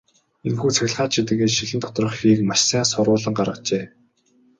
Энэхүү цахилгаан чийдэнгийн шилэн доторх хийг маш сайн соруулан гаргажээ.